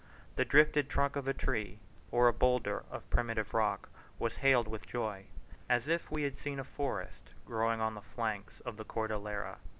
The drifted trunk of a tree, or a boulder of primitive rock, was hailed with joy, as if we had seen a forest growing on the flanks of the Cordillera.